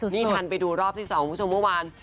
นี่ทันไปดูรอบที่๒คุณผู้ชมเมื่อวาน